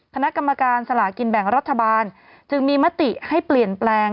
คณะกรรมการสลากินแบ่งรัฐบาลจึงมีมติให้เปลี่ยนแปลง